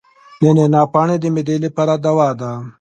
د نعناع پاڼې د معدې لپاره دوا ده.